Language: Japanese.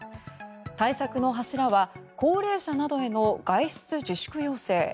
対策の柱は高齢者などへの外出自粛要請。